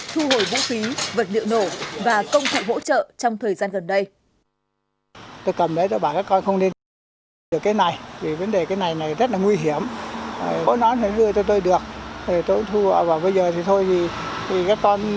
thu hồi vũ khí vật liệu nổ và công cụ hỗ trợ trong thời gian gần đây